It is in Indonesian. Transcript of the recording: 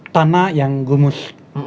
tanah yang gemus